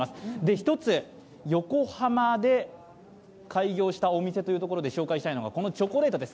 一つ、横浜で開業したお店というところで紹介したいのがこのチョコレートです。